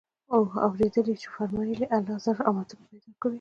اورېدلي چي فرمايل ئې: الله زر امتونه پيدا كړي